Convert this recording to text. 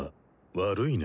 悪いな。